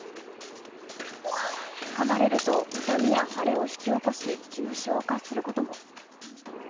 かまれると痛みや腫れを引き起こし重症化することも。